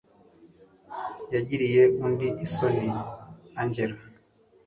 yagiriye undi isoni angella